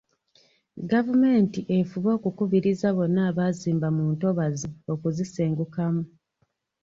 Gavumenti efube okukubiriza bonna abaazimba mu ntobazi okuzisengukamu.